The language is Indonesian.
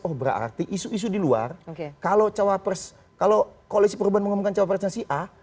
oh berarti isu isu di luar kalau koleksi perubahan mengumumkan cawapresnya si a